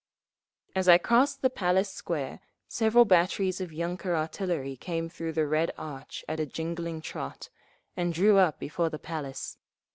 As I crossed the Palace Square several batteries of yunker artillery came through the Red Arch at a jingling trot, and drew up before the Palace.